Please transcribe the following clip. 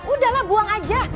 udahlah buang aja